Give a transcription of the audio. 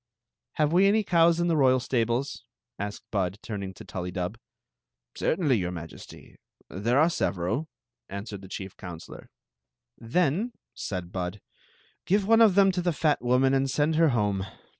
"Have we any cows in the royal stables?" asked Bud, turning to Tullydub. Certainly, yomr M«^e^ ; there are severs^" an swered the chief counselw. "Then," said Bud, "give one of them to the fat woman and send her home.